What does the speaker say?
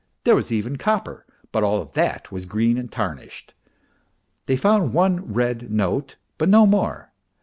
. there was even copper, but all of that was green and tarnished. ... They found one red note, but no more.